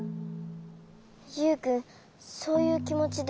ユウくんそういうきもちでいたんだ。